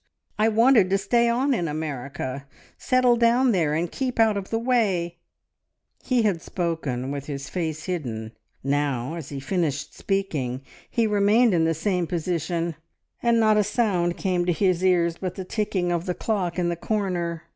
I wanted to stay on in America, settle down there, and keep out of the way " He had spoken with his face hidden; now, as he finished speaking, he remained in the same position, and not a sound came to his ears but the ticking of the clock in the corner.